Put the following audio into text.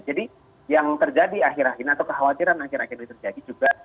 jadi yang terjadi akhir akhir ini atau kekhawatiran akhir akhir ini terjadi juga